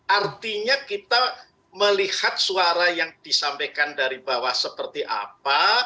artinya kita melihat suara yang disampaikan dari bawah seperti apa